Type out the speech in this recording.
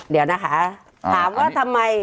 เดี๋ยวนะคะถามว่าทำไม